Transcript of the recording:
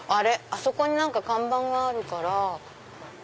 あそこに何か看板があるから。